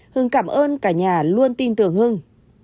hưng cảm ơn cả nhà luôn tin tưởng hưng